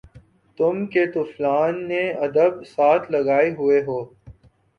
تُم کہ طفلانِ ادب ساتھ لگائے ہُوئے ہو